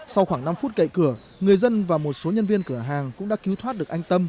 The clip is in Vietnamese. sau khoảng năm phút cậy cửa người dân và một số nhân viên cửa hàng cũng đã cứu thoát được anh tâm